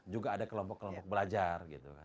juga ada kelompok kelompok belajar gitu kan seperti itu